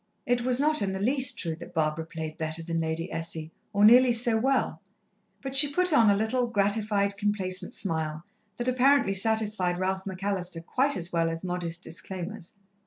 It was not in the least true that Barbara played better than Lady Essie, or nearly so well, but she put on a little, gratified, complacent smile, that apparently satisfied Ralph McAllister quite as well as modest disclaimers.